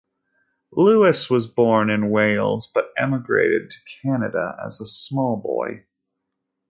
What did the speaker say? Lewis was born in Wales, but emigrated to Canada as a small boy.